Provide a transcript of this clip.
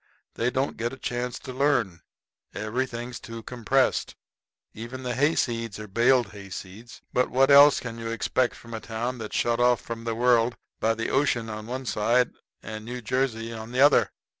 They don't get a chance to learn. Everything's too compressed. Even the hayseeds are baled hayseeds. But what else can you expect from a town that's shut off from the world by the ocean on one side and New Jersey on the other?